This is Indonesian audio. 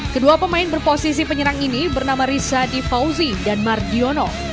kedua pemain berposisi penyerang ini bernama rizadi fauzi dan mar diono